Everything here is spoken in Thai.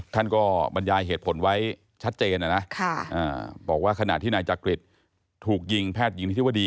ท่านก็บรรยายเหตุผลไว้ชัดเจนนะบอกว่าขณะที่นายจักริตถูกยิงแพทย์หญิงนิธิวดี